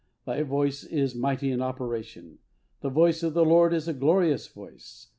Thy voice is mighty in operation: the voice of the Lord is a glorious voice.